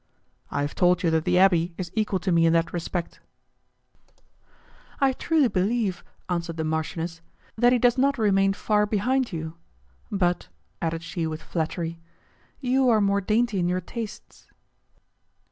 "I have told you that the abbé is equal to me in that respect," said S. C. "I truly believe," answered the marchioness, "that he does not remain far behind you; but," added she with flattery, "you are more dainty in your tastes."